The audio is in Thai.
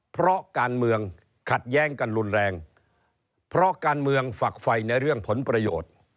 เพราะการเมืองขัดแย้งกันรุนแรงเพราะการเมืองฝักไฟในเรื่องผลประโยชน์